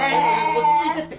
落ち着いてって。